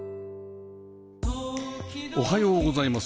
おはようございます。